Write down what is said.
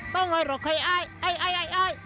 ต้องหอยหรอกคอยอ้าย